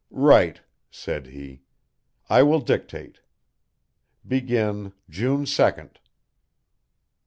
"Write," said he. "I will dictate. Begin June 2nd."